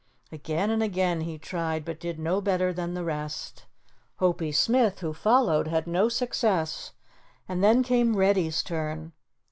Again and again he tried but did no better than the rest. Hopie Smith, who followed, had no success, and then came Reddy's turn.